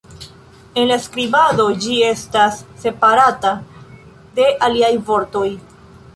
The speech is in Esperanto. En la skribado ĝi estas separata de aliaj vortoj".